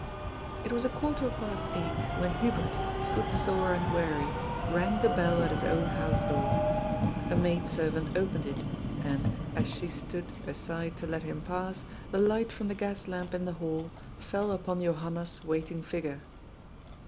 It was a quarter past eight when Hubert, footsore and weary, rang the bell at his own honse door. A maid serv ant opened it, and, as she stood aside to let him pass, the light from the gas lamp in the ball fell npon Johanna's waiting figure.